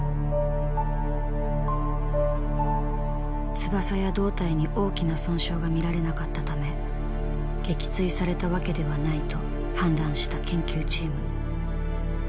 翼や胴体に大きな損傷が見られなかったため撃墜されたわけではないと判断した研究チーム。